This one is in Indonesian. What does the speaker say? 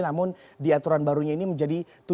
namun di aturan barunya ini menjadi tujuh belas